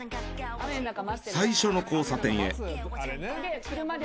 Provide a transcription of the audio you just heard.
最初の交差点へ。